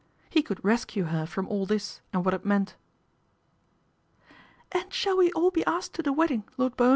He could rescue her from all this and what it meant. " And shall we all be asked to the wedding, Lord Bowen